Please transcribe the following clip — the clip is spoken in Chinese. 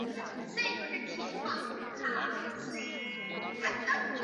城市的北部郊区主要用于农业生产。